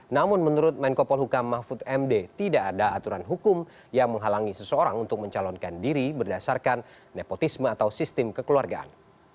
namun menurut menko polhukam mahfud md tidak ada aturan hukum yang menghalangi seseorang untuk mencalonkan diri berdasarkan nepotisme atau sistem kekeluargaan